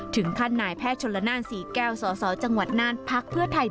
ถึงท่านนายแพทย์ชนลนานศรีแก้วสสจังหวัดนาฏพไทย